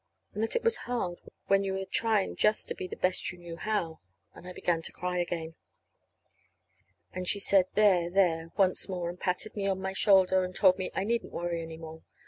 And that it was hard, when you were trying just the best you knew how. And I began to cry again. And she said there, there, once more, and patted me on my shoulder, and told me I needn't worry any more.